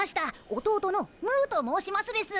弟のムーと申しますです。